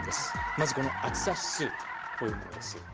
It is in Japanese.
まず暑さ指数、こういうものです。